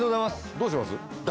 どうします？